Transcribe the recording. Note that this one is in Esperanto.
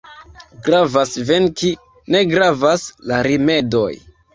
Gravas venki, ne gravas la rimedoj.